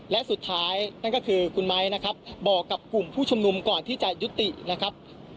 และสุดท้ายนั่นก็คือคุณไม้นะครับบอกกับกลุ่มผู้ชุมนุมก่อนที่จะยุตินะครับ